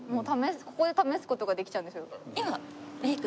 ここで試す事ができちゃうんですよ。